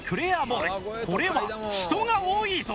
これは人が多いぞ！